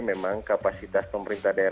memang kapasitas sampah itu sangat banyak